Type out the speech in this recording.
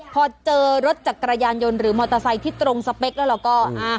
พอเจอรถจักรยานยนต์หรือมอเตอร์ไซค์ที่ตรงสเปคแล้วเราก็